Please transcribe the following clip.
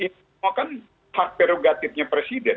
itu semua kan hak prerogatifnya presiden